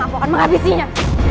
aku akan mengabisinya